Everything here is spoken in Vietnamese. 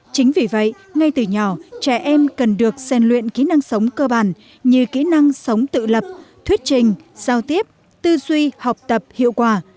chính vì vậy ngay từ nhỏ trẻ em cần được xen luyện kỹ năng sống cơ bản như kỹ năng sống tự lập thuyết trình giao tiếp tư duy học tập hiệu quả